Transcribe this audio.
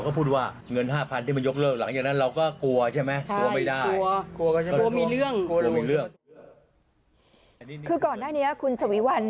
คือก่อนหน้านี้คุณฉวีวัน